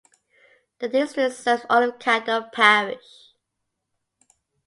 The district serves all of Caddo Parish.